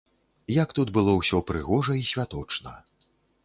Як тут было ўсё прыгожа і святочна.